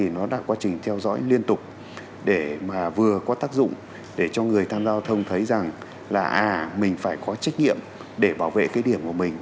nó là quá trình theo dõi liên tục để mà vừa có tác dụng để cho người tham gia giao thông thấy rằng là à mình phải có trách nhiệm để bảo vệ cái điểm của mình